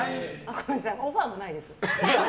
ごめんなさいオファーもないです。